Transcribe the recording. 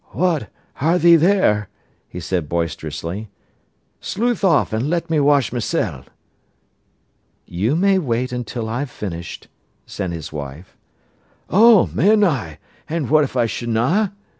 "What, are thee there!" he said boisterously. "Sluthe off an' let me wesh mysen." "You may wait till I've finished," said his wife. "Oh, mun I? An' what if I shonna?"